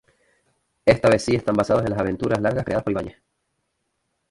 Esta vez sí están basados en las aventuras largas creadas por Ibáñez.